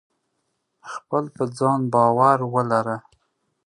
خپل په ځان باور ولره !